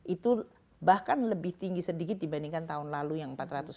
itu bahkan lebih tinggi sedikit dibandingkan tahun lalu yang empat ratus sembilan puluh